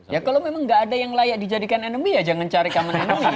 ya kalau memang nggak ada yang layak dijadikan enemy ya jangan cari common enery